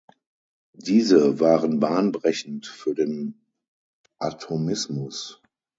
Diese waren bahnbrechend für den Atomismus.